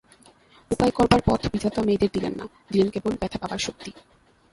উপায় করবার পথ বিধাতা মেয়েদের দিলেন না, দিলেন কেবল ব্যথা পাবার শক্তি।